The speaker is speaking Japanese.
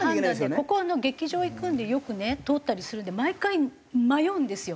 ここは劇場行くんでよくね通ったりするんで毎回迷うんですよ。